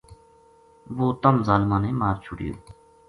وہ تَم ظالماں نے مار چھُڑیو